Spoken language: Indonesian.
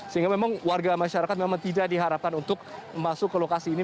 sehingga memang warga masyarakat memang tidak diharapkan untuk masuk ke lokasi ini